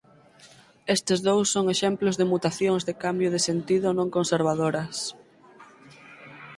Estes dous son exemplos de mutacións de cambio de sentido non conservadoras.